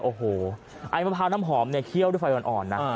โอ้โหไอ้มะพร้าวน้ำหอมเนี่ยเคี่ยวด้วยไฟอ่อนนะ